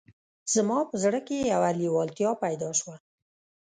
زما په زړه کې یوه لېوالتیا پیدا شوه